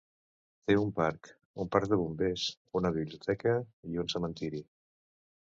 Té un parc, un parc de bombers, una biblioteca i un cementiri.